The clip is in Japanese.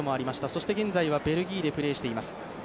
そして、現在はベルギーでプレーしています。